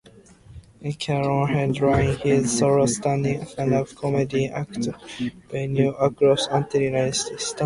Callen headlines his solo stand up comedy act at venues across the United States.